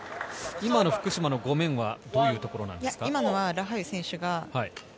今の福島のごめんはどういうところですか？